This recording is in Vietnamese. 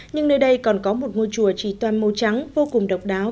nhưng nơi đây còn có một ngôi chùa chỉ toàn màu trắng vô cùng độc đáo